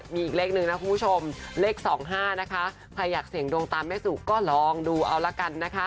มีอีกเลขนึงเลข๒๕ใครอยากเสียงดวงตามแม่สู่ก็ลองดูเอาละกัน